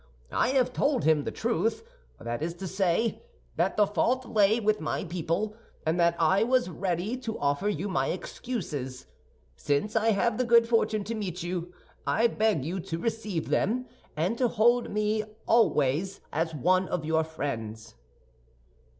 I have told him the truth; that is to say, that the fault lay with my people, and that I was ready to offer you my excuses. Since I have the good fortune to meet you, I beg you to receive them, and to hold me always as one of your friends."